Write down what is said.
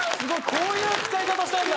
こういう使い方したんだ。